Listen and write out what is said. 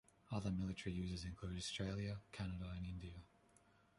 Other military users included Australia, Canada and India.